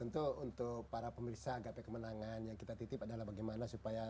tentu untuk para pemirsa gap kemenangan yang kita titip adalah bagaimana supaya tetap menjaga kemenangan kita